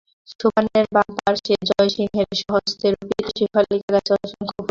সোপানের বাম পার্শ্বে জয়সিংহের স্বহস্তে রোপিত শেফালিকা গাছে অসংখ্য ফুল ফুটিয়াছে।